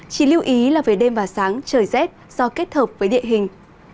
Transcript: chỉ lưu ý là về đêm và sáng trời rét do kết hợp với địa hình